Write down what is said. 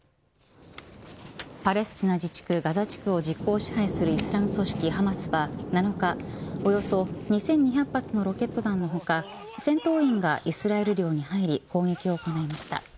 パレスチナ自治区ガザ地区を実行支配するイスラム組織ハマスは７日、およそ２２００発のロケット弾の他戦闘員がイスラエル領に入り攻撃を行いました。